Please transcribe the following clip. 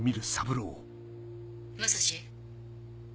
武蔵？